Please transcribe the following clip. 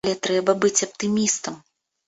Але трэба быць аптымістам.